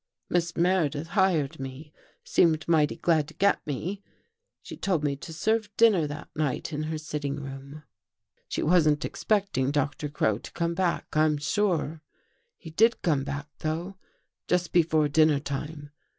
Miss Meredith hired me — seemed mighty glad to get me. She told me to serve dinner that night in her sitting room. " She wasn't expecting Doctor Crow to come back, I am sure. He did come back, though, just before dinner time.